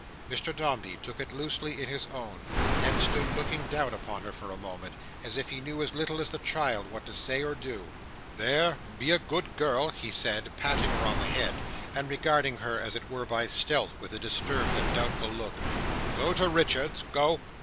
Mr Dombey took it loosely in his own, and stood looking down upon her for a moment, as if he knew as little as the child, what to say or do. "There! Be a good girl," he said, patting her on the head, and regarding her as it were by stealth with a disturbed and doubtful look. "Go to Richards! Go!"